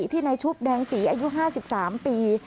ที่นายชุบแดงศรีอายุ๕๓ปี